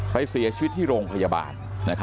เสียชีวิตที่โรงพยาบาล